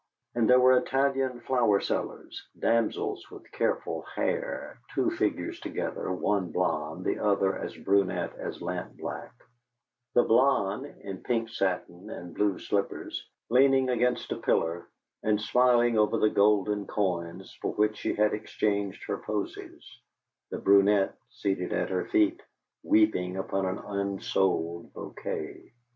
And there were "Italian Flower Sellers," damsels with careful hair, two figures together, one blonde, the other as brunette as lampblack, the blonde in pink satin and blue slippers leaning against a pillar and smiling over the golden coins for which she had exchanged her posies; the brunette seated at her feet, weeping upon an unsold bouquet.